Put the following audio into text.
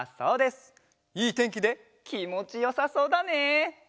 いいてんきできもちよさそうだね！